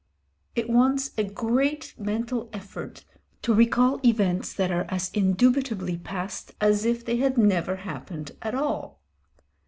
It wants a great mental effort to recall events that are as indubitably past as if they had never happened at all.